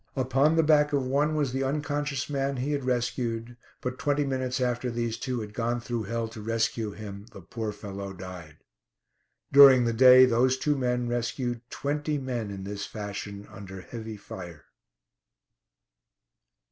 Upon the back of one was the unconscious man he had rescued, but twenty minutes after these two had gone through hell to rescue him, the poor fellow died. During the day those two men rescued twenty men in this fashion under heavy fire.